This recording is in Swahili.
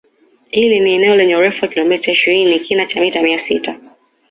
Hili ni eneo lenye urefu wa kilometa ishirini kina cha mita mia sita